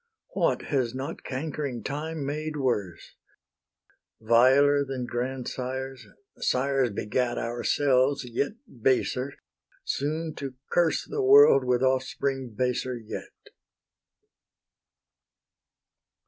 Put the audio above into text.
What has not cankering Time made worse? Viler than grandsires, sires beget Ourselves, yet baser, soon to curse The world with offspring baser yet.